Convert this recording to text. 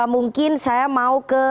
mungkin saya mau ke